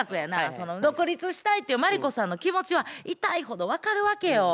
その独立したいっていうマリコさんの気持ちは痛いほど分かるわけよ。